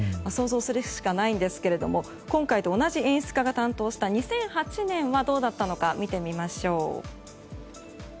想像するしかないんですけれども今回と同じ演出家が担当した２００８年はどうだったのか見てみましょう。